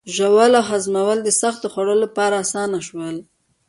ژوول او هضمول د سختو خوړو لپاره آسانه شول.